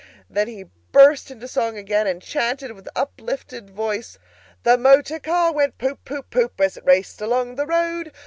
Then he burst into song again, and chanted with uplifted voice— "The motor car went Poop poop poop, As it raced along the road.